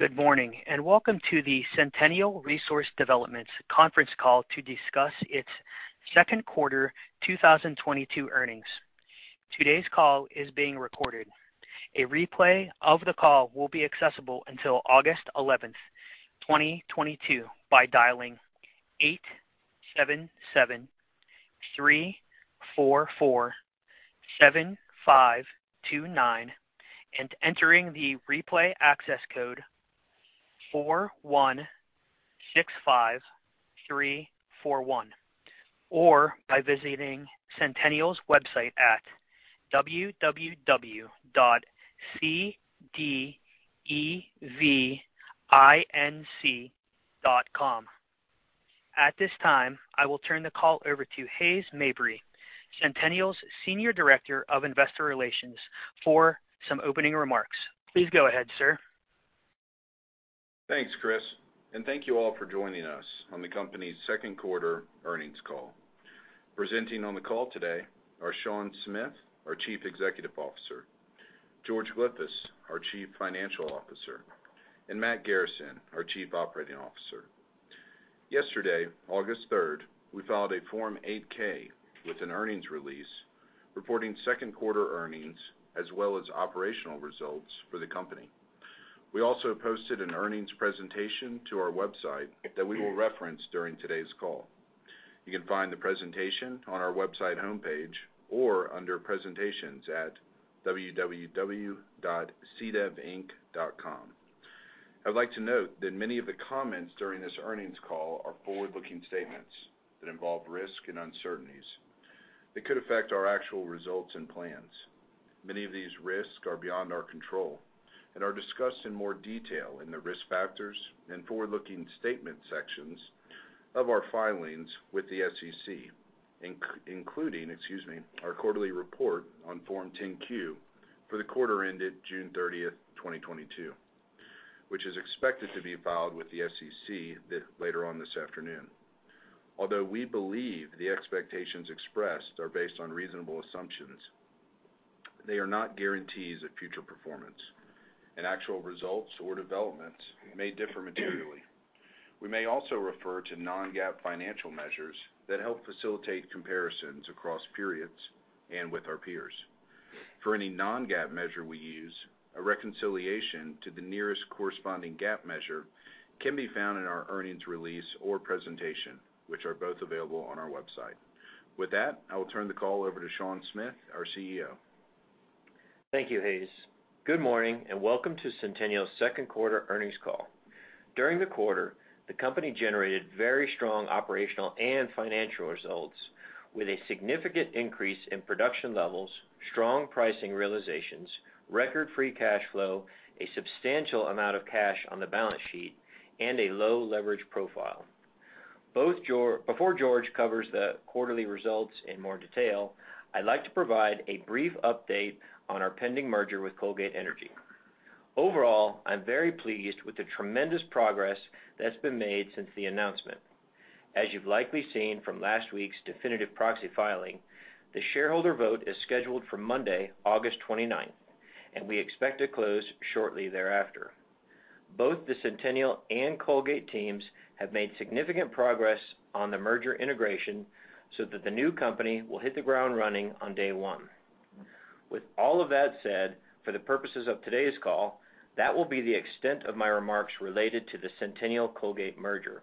Good morning, and welcome to the Centennial Resource Development conference call to discuss its second quarter 2022 earnings. Today's call is being recorded. A replay of the call will be accessible until August 11, 2022 by dialing 877-344-7529 and entering the replay access code 416-5341, or by visiting Centennial's website at www.cdevinc.com. At this time, I will turn the call over to Hays Mabry, Centennial's Senior Director of Investor Relations, for some opening remarks. Please go ahead, sir. Thanks, Chris, and thank you all for joining us on the company's second quarter earnings call. Presenting on the call today are Sean Smith, our Chief Executive Officer, George Glyphis, our Chief Financial Officer, and Matt Garrison, our Chief Operating Officer. Yesterday, August 3, we filed a Form 8-K with an earnings release reporting second-quarter earnings as well as operational results for the company. We also posted an earnings presentation to our website that we will reference during today's call. You can find the presentation on our website homepage or under presentations at www.cdevinc.com. I'd like to note that many of the comments during this earnings call are forward-looking statements that involve risk and uncertainties that could affect our actual results and plans. Many of these risks are beyond our control and are discussed in more detail in the Risk Factors and Forward-Looking Statement sections of our filings with the SEC, including our quarterly report on Form 10-Q for the quarter ended June 30, 2022, which is expected to be filed with the SEC later on this afternoon. Although we believe the expectations expressed are based on reasonable assumptions, they are not guarantees of future performance, and actual results or developments may differ materially. We may also refer to non-GAAP financial measures that help facilitate comparisons across periods and with our peers. For any non-GAAP measure we use, a reconciliation to the nearest corresponding GAAP measure can be found in our earnings release or presentation, which are both available on our website. With that, I will turn the call over to Sean Smith, our CEO. Thank you, Hays. Good morning, and welcome to Centennial's second quarter earnings call. During the quarter, the company generated very strong operational and financial results with a significant increase in production levels, strong pricing realizations, record free cash flow, a substantial amount of cash on the balance sheet, and a low leverage profile. Before George covers the quarterly results in more detail, I'd like to provide a brief update on our pending merger with Colgate Energy Partners III, LLC. Overall, I'm very pleased with the tremendous progress that's been made since the announcement. As you've likely seen from last week's definitive proxy filing, the shareholder vote is scheduled for Monday, August 29th, and we expect to close shortly thereafter. Both the Centennial and Colgate Energy Partners III, LLC teams have made significant progress on the merger integration so that the new company will hit the ground running on day one. With all of that said, for the purposes of today's call, that will be the extent of my remarks related to the Centennial-Colgate merger.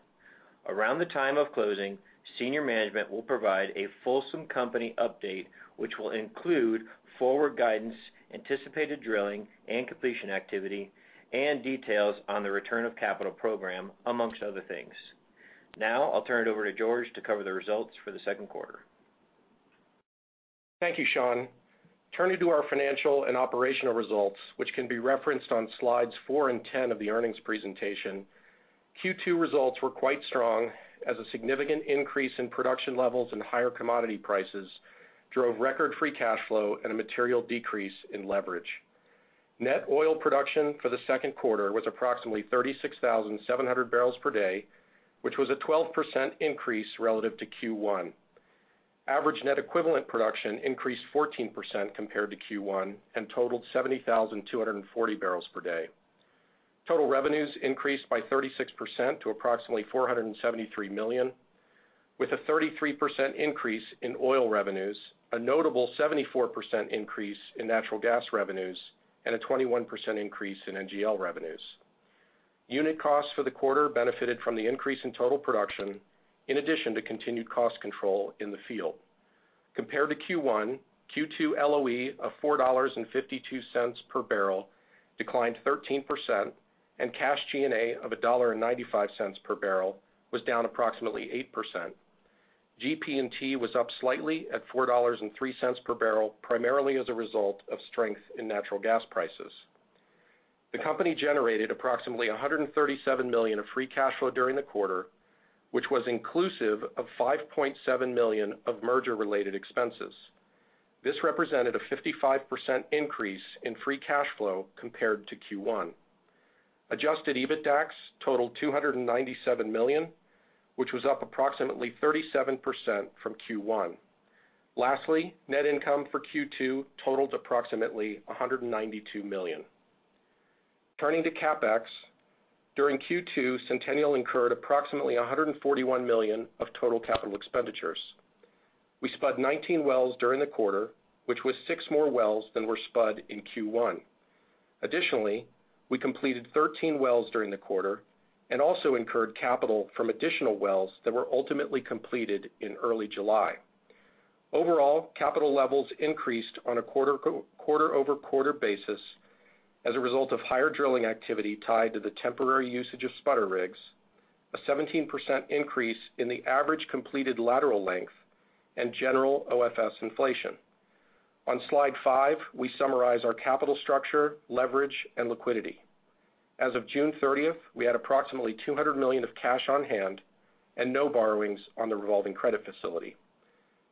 Around the time of closing, senior management will provide a fulsome company update, which will include forward guidance, anticipated drilling and completion activity, and details on the return of capital program, amongst other things. Now, I'll turn it over to George to cover the results for the second quarter. Thank you, Sean. Turning to our financial and operational results, which can be referenced on slides 4 and 10 of the earnings presentation. Q2 results were quite strong as a significant increase in production levels and higher commodity prices drove record-free cash flow and a material decrease in leverage. Net oil production for the second quarter was approximately 36,700 barrels per day, which was a 12% increase relative to Q1. Average net equivalent production increased 14% compared to Q1 and totaled 70,240 barrels per day. Total revenues increased by 36% to approximately $473 million, with a 33% increase in oil revenues, a notable 74% increase in natural gas revenues, and a 21% increase in NGL revenues. Unit costs for the quarter benefited from the increase in total production in addition to continued cost control in the field. Compared to Q1, Q2 LOE of $4.52 per barrel declined 13%, and cash G&A of $1.95 per barrel was down approximately 8%. GP&T was up slightly at $4.03 per barrel, primarily as a result of strength in natural gas prices. The company generated approximately $137 million of free cash flow during the quarter, which was inclusive of $5.7 million of merger-related expenses. This represented a 55% increase in free cash flow compared to Q1. Adjusted EBITDAX totaled $297 million, which was up approximately 37% from Q1. Lastly, net income for Q2 totaled approximately $192 million. Turning to CapEx, during Q2, Centennial incurred approximately $141 million of total capital expenditures. We spudded 19 wells during the quarter, which was 6 more wells than were spudded in Q1. Additionally, we completed 13 wells during the quarter and also incurred capital from additional wells that were ultimately completed in early July. Overall, capital levels increased on a quarter-over-quarter basis as a result of higher drilling activity tied to the temporary usage of spudder rigs, a 17% increase in the average completed lateral length, and general OFS inflation. On slide 5, we summarize our capital structure, leverage, and liquidity. As of June 30, we had approximately $200 million of cash on hand and no borrowings on the revolving credit facility.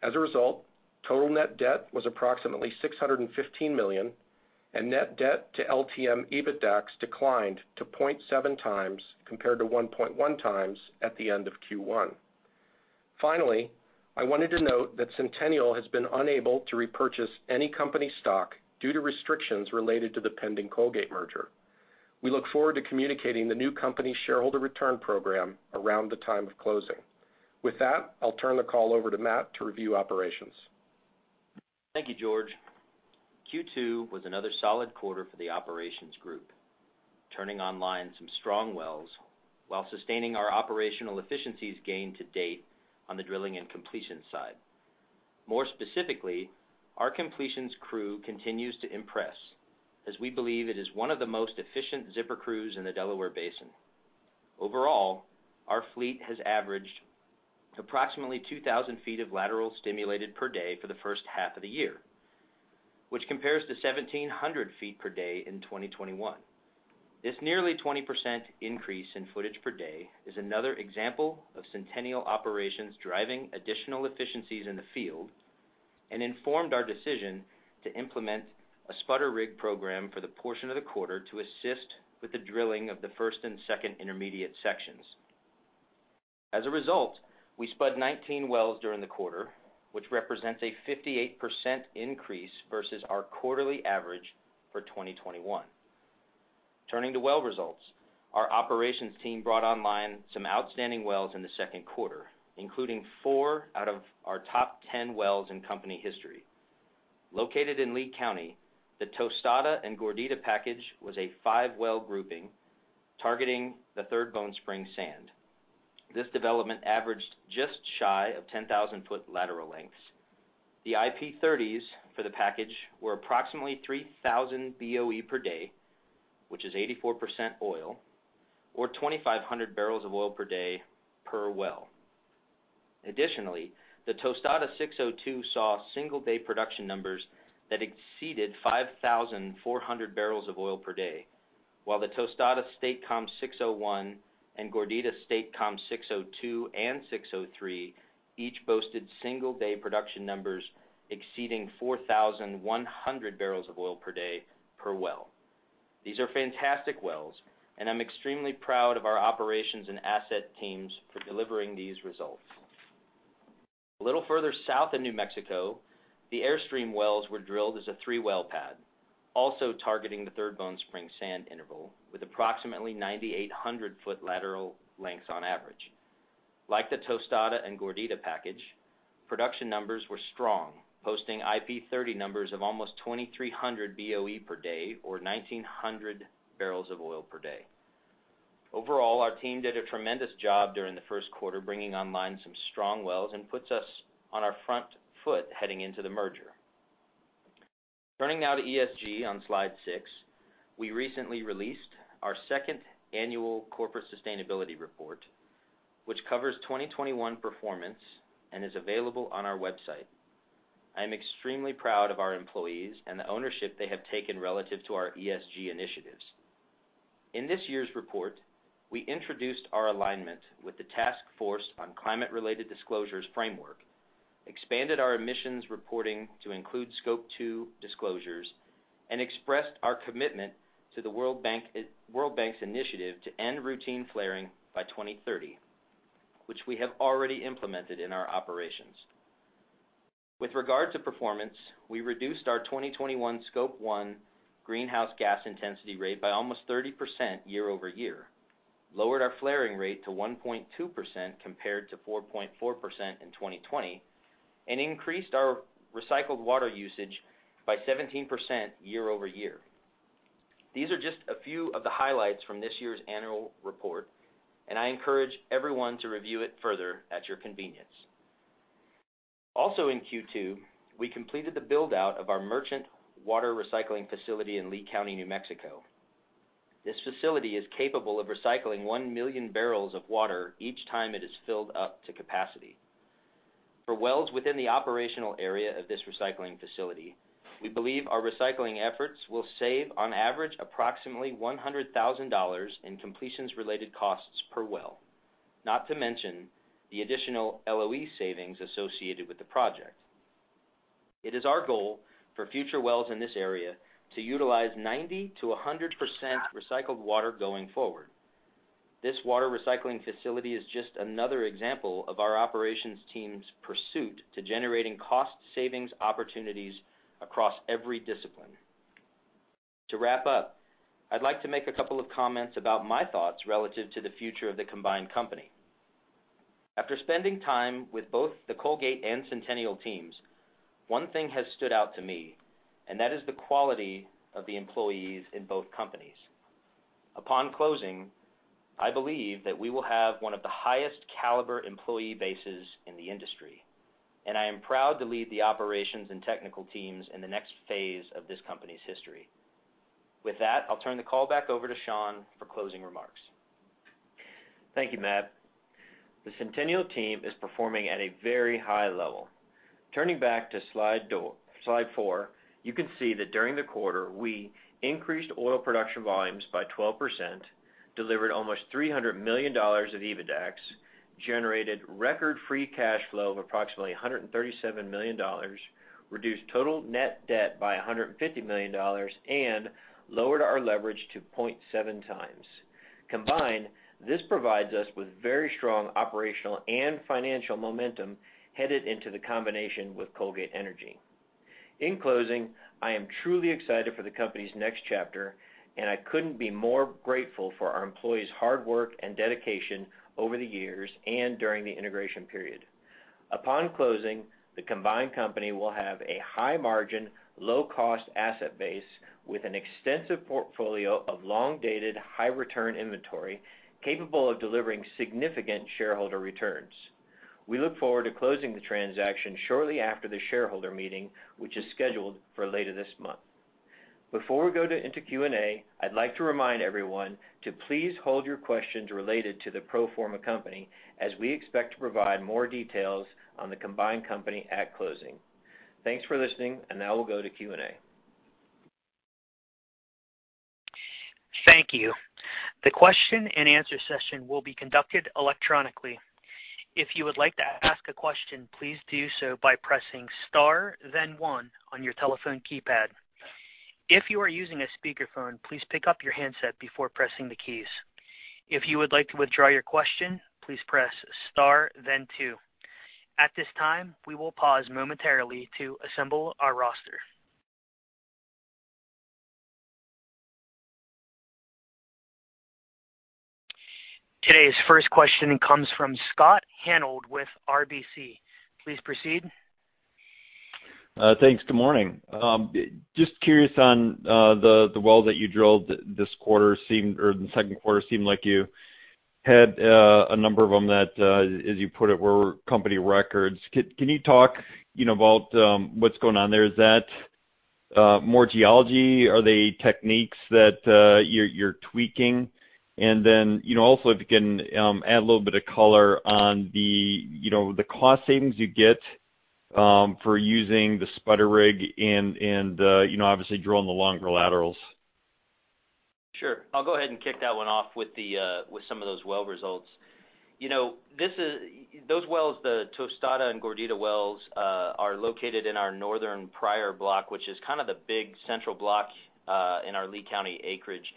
As a result, total net debt was approximately $615 million, and net debt to LTM EBITDAX declined to 0.7x compared to 1.1x at the end of Q1. Finally, I wanted to note that Centennial has been unable to repurchase any company stock due to restrictions related to the pending Colgate merger. We look forward to communicating the new company shareholder return program around the time of closing. With that, I'll turn the call over to Matt to review operations. Thank you, George. Q2 was another solid quarter for the operations group, turning online some strong wells while sustaining our operational efficiencies gained to date on the drilling and completion side. More specifically, our completions crew continues to impress as we believe it is one of the most efficient zipper crews in the Delaware Basin. Overall, our fleet has averaged approximately 2,000 feet of lateral stimulated per day for the first half of the year, which compares to 1,700 feet per day in 2021. This nearly 20% increase in footage per day is another example of Centennial Operations driving additional efficiencies in the field and informed our decision to implement a spudder rig program for the portion of the quarter to assist with the drilling of the first and second intermediate sections. As a result, we spudded 19 wells during the quarter, which represents a 58% increase versus our quarterly average for 2021. Turning to well results, our operations team brought online some outstanding wells in the second quarter, including four out of our top 10 wells in company history. Located in Lea County, the Tostada and Gordita package was a 5-well grouping targeting the Third Bone Spring sand. This development averaged just shy of 10,000 foot lateral lengths. The IP 30s for the package were approximately 3,000 BOE per day, which is 84% oil or 2,500 barrels of oil per day per well. Additionally, the Tostada 602 saw single-day production numbers that exceeded 5,400 barrels of oil per day. While the Tostada State Com 601 and Gordita State Com 602 and 603 each boasted single-day production numbers exceeding 4,100 barrels of oil per day per well. These are fantastic wells, and I'm extremely proud of our operations and asset teams for delivering these results. A little further south of New Mexico, the Airstream wells were drilled as a 3-well pad, also targeting the Third Bone Spring sand interval with approximately 9,800 foot lateral lengths on average. Like the Tostada and Gordita package, production numbers were strong, posting IP30 numbers of almost 2,300 BOE per day or 1,900 barrels of oil per day. Overall, our team did a tremendous job during the first quarter, bringing online some strong wells and puts us on our front foot heading into the merger. Turning now to ESG on slide 6. We recently released our second annual corporate sustainability report, which covers 2021 performance and is available on our website. I am extremely proud of our employees and the ownership they have taken relative to our ESG initiatives. In this year's report, we introduced our alignment with the Task Force on Climate-Related Disclosures framework, expanded our emissions reporting to include Scope 2 disclosures, and expressed our commitment to the World Bank's initiative to end routine flaring by 2030, which we have already implemented in our operations. With regard to performance, we reduced our 2021 Scope 1 greenhouse gas intensity rate by almost 30% year-over-year, lowered our flaring rate to 1.2% compared to 4.4% in 2020, and increased our recycled water usage by 17% year-over-year. These are just a few of the highlights from this year's annual report, and I encourage everyone to review it further at your convenience. Also in Q2, we completed the build-out of our merchant water recycling facility in Lea County, New Mexico. This facility is capable of recycling 1 million barrels of water each time it is filled up to capacity. For wells within the operational area of this recycling facility, we believe our recycling efforts will save, on average, approximately $100,000 in completions related costs per well, not to mention the additional LOE savings associated with the project. It is our goal for future wells in this area to utilize 90%-100% recycled water going forward. This water recycling facility is just another example of our operations team's pursuit to generating cost savings opportunities across every discipline. To wrap up, I'd like to make a couple of comments about my thoughts relative to the future of the combined company. After spending time with both the Colgate and Centennial teams, one thing has stood out to me, and that is the quality of the employees in both companies. Upon closing, I believe that we will have one of the highest caliber employee bases in the industry, and I am proud to lead the operations and technical teams in the next phase of this company's history. With that, I'll turn the call back over to Sean for closing remarks. Thank you, Matt. The Centennial team is performing at a very high level. Turning back to slide 4, you can see that during the quarter, we increased oil production volumes by 12%, delivered almost $300 million of EBITDAX, generated record free cash flow of approximately $137 million, reduced total net debt by $150 million, and lowered our leverage to 0.7x. Combined, this provides us with very strong operational and financial momentum headed into the combination with Colgate Energy. In closing, I am truly excited for the company's next chapter, and I couldn't be more grateful for our employees' hard work and dedication over the years and during the integration period. Upon closing, the combined company will have a high margin, low-cost asset base with an extensive portfolio of long-dated, high-return inventory capable of delivering significant shareholder returns. We look forward to closing the transaction shortly after the shareholder meeting, which is scheduled for later this month. Before we go into Q&A, I'd like to remind everyone to please hold your questions related to the pro forma company, as we expect to provide more details on the combined company at closing. Thanks for listening, and now we'll go to Q&A. Thank you. The question and answer session will be conducted electronically. If you would like to ask a question, please do so by pressing Star, then one on your telephone keypad. If you are using a speakerphone, please pick up your handset before pressing the keys. If you would like to withdraw your question, please press Star then two. At this time, we will pause momentarily to assemble our roster. Today's first question comes from Scott Hanold with RBC. Please proceed. Thanks. Good morning. Just curious on the well that you drilled this quarter seemed or the second quarter seemed like you had a number of them that, as you put it, were company records. Can you talk, you know, about what's going on there? Is that more geology? Are they techniques that you're tweaking? You know, also if you can add a little bit of color on the, you know, the cost savings you get for using the spudder rig and, you know, obviously drilling the longer laterals. Sure. I'll go ahead and kick that one off with some of those well results. You know, those wells, the Tostada and Gordita wells, are located in our northern Pryor block, which is kind of the big central block in our Lea County acreage.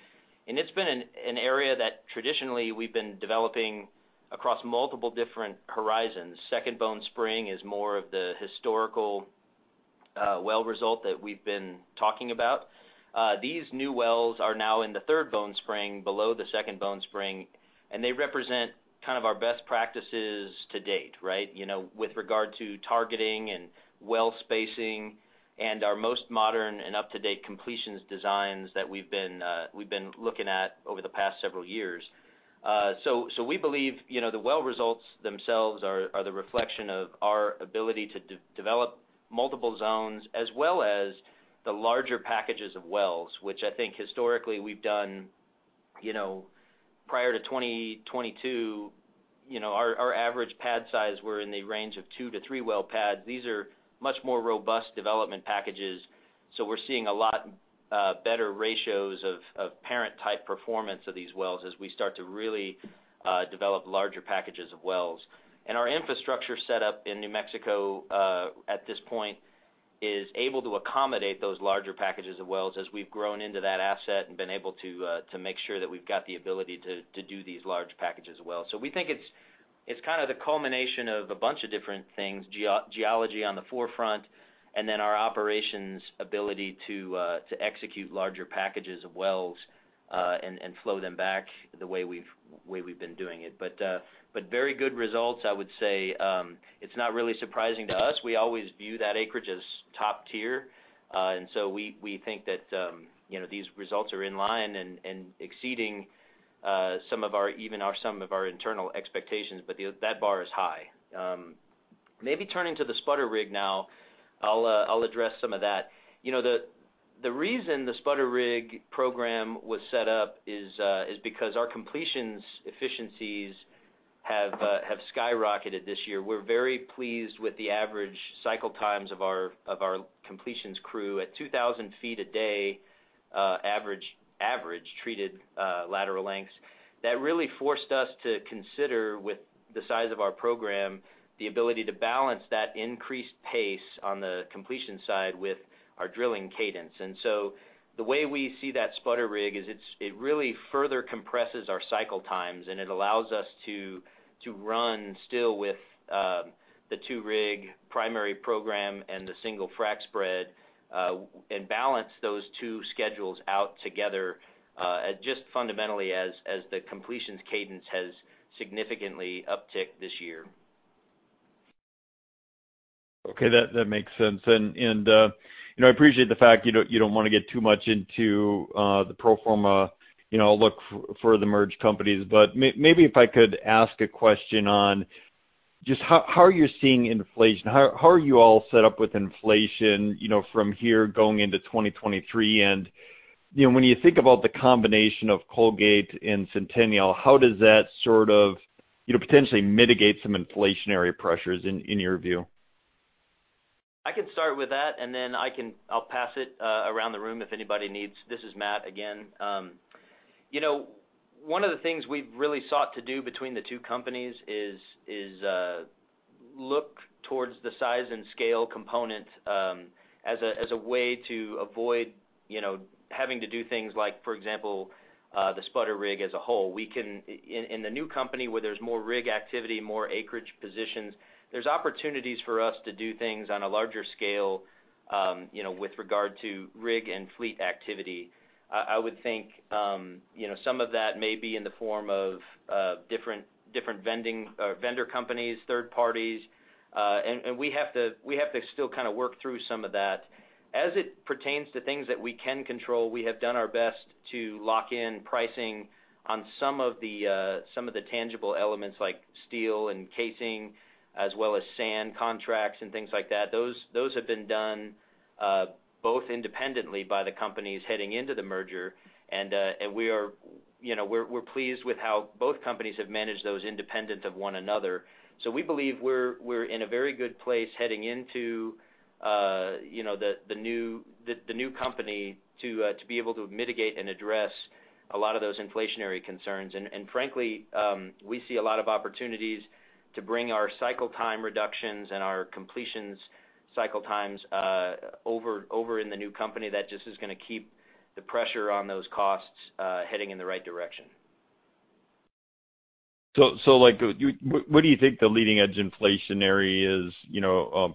It's been an area that traditionally we've been developing across multiple different horizons. Second Bone Spring is more of the historical well result that we've been talking about. These new wells are now in the Third Bone Spring below the Second Bone Spring, and they represent kind of our best practices to date, right? You know, with regard to targeting and well spacing and our most modern and up-to-date completions designs that we've been looking at over the past several years. We believe, you know, the well results themselves are the reflection of our ability to develop multiple zones as well as the larger packages of wells, which I think historically we've done, you know, prior to 2022. You know, our average pad size were in the range of two- to three-well pads. These are much more robust development packages, so we're seeing a lot better ratios of parent type performance of these wells as we start to really develop larger packages of wells. Our infrastructure set up in New Mexico at this point is able to accommodate those larger packages of wells as we've grown into that asset and been able to make sure that we've got the ability to do these large packages well. We think it's kind of the culmination of a bunch of different things, geology on the forefront, and then our operations ability to execute larger packages of wells, and flow them back the way we've been doing it. Very good results, I would say. It's not really surprising to us. We always view that acreage as top tier. We think that you know, these results are in line and exceeding some of our internal expectations, but that bar is high. Maybe turning to the spudder rig now, I'll address some of that. You know, the reason the spudder rig program was set up is because our completions efficiencies have skyrocketed this year. We're very pleased with the average cycle times of our completions crew at 2,000 feet a day, average treated lateral lengths. That really forced us to consider, with the size of our program, the ability to balance that increased pace on the completion side with our drilling cadence. The way we see that spudder rig is it really further compresses our cycle times, and it allows us to run still with the two-rig primary program and the single frac spread and balance those two schedules out together, just fundamentally as the completions cadence has significantly upticked this year. Okay, that makes sense. You know, I appreciate the fact you don't wanna get too much into the pro forma, you know, look for the merged companies. Maybe if I could ask a question on just how are you seeing inflation? How are you all set up with inflation, you know, from here going into 2023? You know, when you think about the combination of Colgate and Centennial, how does that sort of, you know, potentially mitigate some inflationary pressures in your view? I can start with that, and then I can. I'll pass it around the room if anybody needs. This is Matt again. You know, one of the things we've really sought to do between the two companies is look towards the size and scale component, as a way to avoid, you know, having to do things like, for example, the spudder rig as a whole. In the new company where there's more rig activity, more acreage positions, there's opportunities for us to do things on a larger scale, you know, with regard to rig and fleet activity. I would think, you know, some of that may be in the form of different vendor companies, third parties, and we have to still kind of work through some of that. As it pertains to things that we can control, we have done our best to lock in pricing on some of the tangible elements like steel and casing, as well as sand contracts and things like that. Those have been done both independently by the companies heading into the merger, and we are, you know, pleased with how both companies have managed those independent of one another. We believe we're in a very good place heading into you know the new company to be able to mitigate and address a lot of those inflationary concerns. Frankly, we see a lot of opportunities to bring our cycle time reductions and our completions cycle times over in the new company that just is gonna keep the pressure on those costs heading in the right direction. What do you think the leading-edge inflationary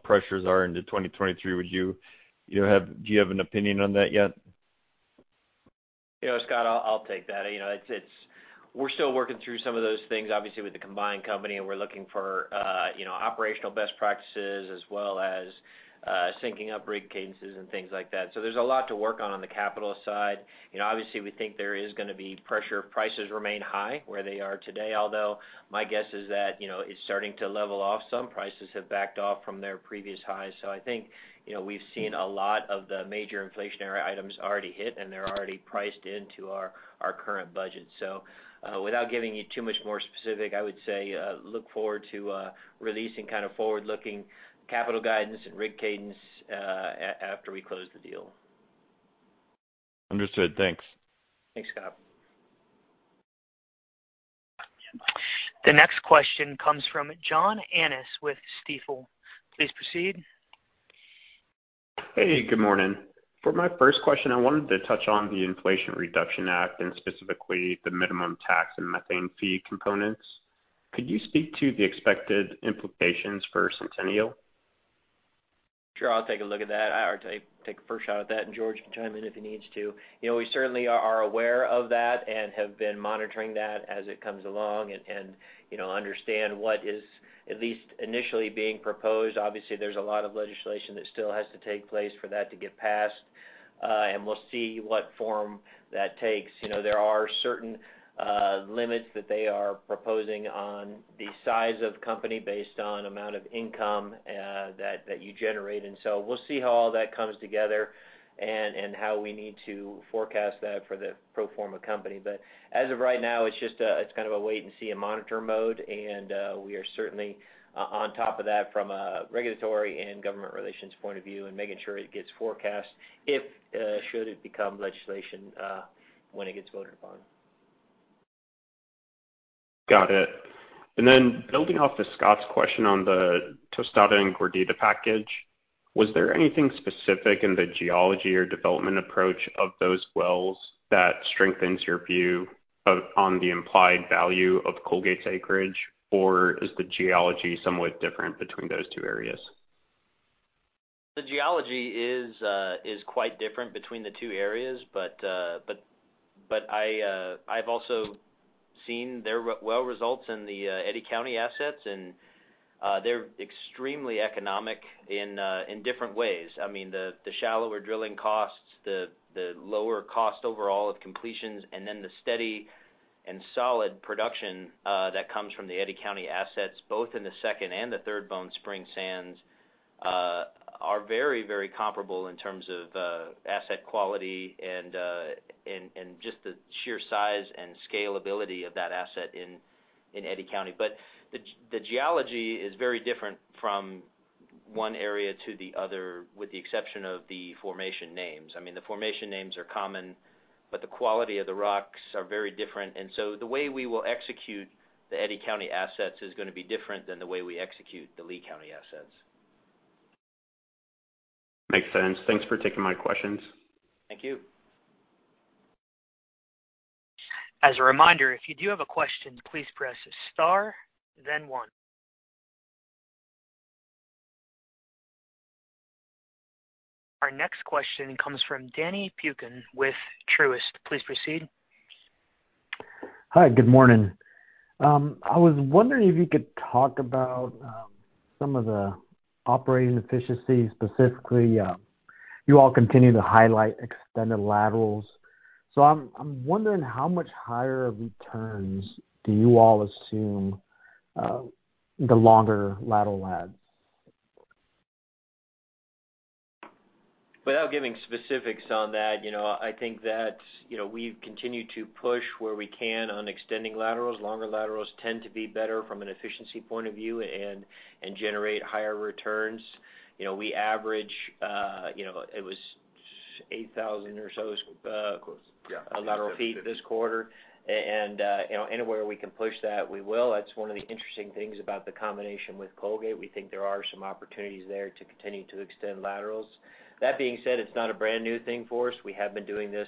pressures are into 2023? Do you have an opinion on that yet? You know, Scott, I'll take that. You know, it's. We're still working through some of those things, obviously, with the combined company, and we're looking for, you know, operational best practices as well as syncing up rig cadences and things like that. There's a lot to work on the capital side. You know, obviously, we think there is gonna be pressure. Prices remain high where they are today, although my guess is that, you know, it's starting to level off some. Prices have backed off from their previous highs. I think, you know, we've seen a lot of the major inflationary items already hit, and they're already priced into our current budget. Without giving you too much more specific, I would say look forward to releasing kind of forward-looking capital guidance and rig cadence after we close the deal. Understood. Thanks. Thanks, Scott. The next question comes from John Annis with Stifel. Please proceed. Hey, good morning. For my first question, I wanted to touch on the Inflation Reduction Act and specifically the minimum tax and methane fee components. Could you speak to the expected implications for Centennial? Sure, I'll take a look at that. I'll take a first shot at that, and George can chime in if he needs to. You know, we certainly are aware of that and have been monitoring that as it comes along and you know, understand what is at least initially being proposed. Obviously, there's a lot of legislation that still has to take place for that to get passed, and we'll see what form that takes. You know, there are certain limits that they are proposing on the size of company based on amount of income that you generate. We'll see how all that comes together and how we need to forecast that for the pro forma company. As of right now, it's kind of a wait and see and monitor mode, and we are certainly on top of that from a regulatory and government relations point of view and making sure it gets forecast if should it become legislation when it gets voted upon. Got it. Building off of Scott's question on the Tostada and Gordita package, was there anything specific in the geology or development approach of those wells that strengthens your view on the implied value of Colgate's acreage, or is the geology somewhat different between those two areas? The geology is quite different between the two areas. I've also seen their well results in the Eddy County assets and they're extremely economic in different ways. I mean, the shallower drilling costs, the lower cost overall of completions, and then the steady and solid production that comes from the Eddy County assets, both in the Second and the Third Bone Spring sands, are very comparable in terms of asset quality and just the sheer size and scalability of that asset in Eddy County. The geology is very different from one area to the other, with the exception of the formation names. I mean, the formation names are common, but the quality of the rocks are very different. The way we will execute the Eddy County assets is gonna be different than the way we execute the Lea County assets. Makes sense. Thanks for taking my questions. Thank you. As a reminder, if you do have a question, please press star then one. Our next question comes from Neal Dingmann with Truist. Please proceed. Hi, good morning. I was wondering if you could talk about some of the operating efficiencies, specifically, you all continue to highlight extended laterals. I'm wondering how much higher returns do you all assume the longer lateral adds? Without giving specifics on that, you know, I think that, you know, we continue to push where we can on extending laterals. Longer laterals tend to be better from an efficiency point of view and generate higher returns. You know, we average, you know, it was 8,000 feet or so. Close. Yeah. Lateral feet this quarter. You know, anywhere we can push that, we will. That's one of the interesting things about the combination with Colgate. We think there are some opportunities there to continue to extend laterals. That being said, it's not a brand new thing for us. We have been doing this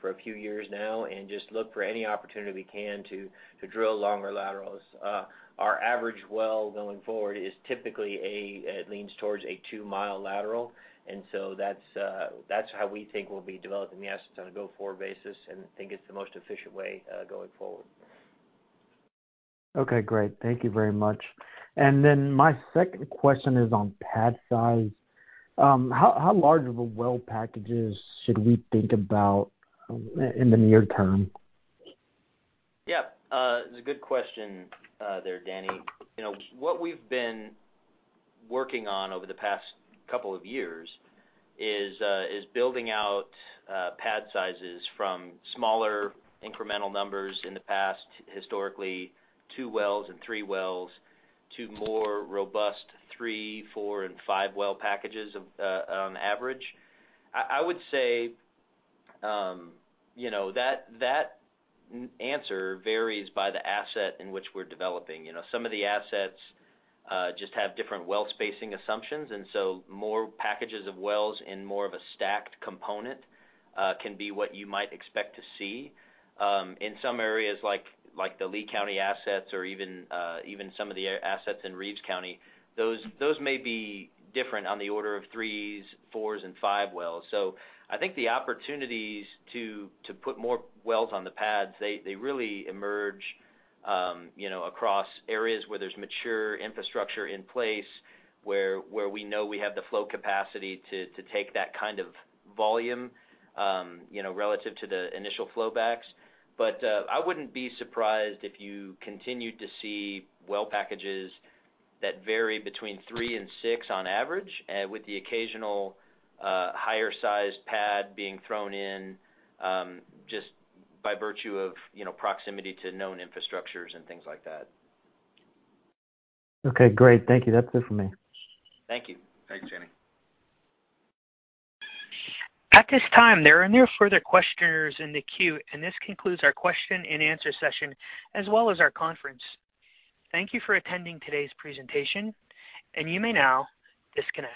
for a few years now, and just look for any opportunity we can to drill longer laterals. Our average well going forward is typically it leans towards a two-mile lateral. That's how we think we'll be developing the assets on a go-forward basis, and think it's the most efficient way going forward. Okay, great. Thank you very much. My second question is on pad size. How large of a well packages should we think about in the near term? Yeah. It's a good question there, Neal. You know, what we've been working on over the past couple of years is building out pad sizes from smaller incremental numbers in the past, historically, two wells and three wells, to more robust three, four, and five well packages on average. I would say, you know, that answer varies by the asset in which we're developing. You know, some of the assets just have different well spacing assumptions, and so more packages of wells and more of a stacked component can be what you might expect to see. In some areas like the Lea County assets or even some of the assets in Reeves County, those may be different on the order of threes, fours, and five wells. I think the opportunities to put more wells on the pads, they really emerge, you know, across areas where there's mature infrastructure in place, where we know we have the flow capacity to take that kind of volume, you know, relative to the initial flowbacks. I wouldn't be surprised if you continued to see well packages that vary between three and six on average, with the occasional higher sized pad being thrown in, just by virtue of, you know, proximity to known infrastructures and things like that. Okay, great. Thank you. That's it for me. Thank you. Thanks, Neal. At this time, there are no further questioners in the queue, and this concludes our question and answer session, as well as our conference. Thank you for attending today's presentation, and you may now disconnect.